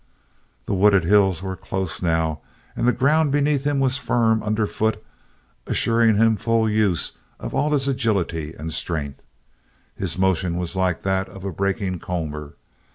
The wooded hills were close now and the ground beneath him was firm underfoot assuring him full use of all his agility and strength. His motion was like that of a breaking comber.